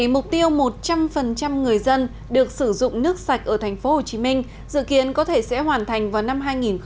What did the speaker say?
mục tiêu một trăm linh người dân được sử dụng nước sạch ở tp hcm dự kiến có thể sẽ hoàn thành vào năm hai nghìn hai mươi